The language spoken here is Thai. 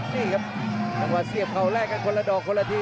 นี่ครับจังหวะเสียบเขาแลกกันคนละดอกคนละที